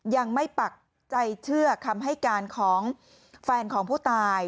ปักใจเชื่อคำให้การของแฟนของผู้ตาย